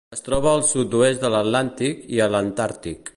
Es troba al sud-oest de l'Atlàntic i a l'Antàrtic.